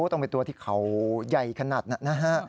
ต้องเป็นตัวที่เขาใหญ่ขนาดนั้นนะฮะ